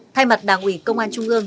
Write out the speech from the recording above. thay mặt đảng ủy công an trung ương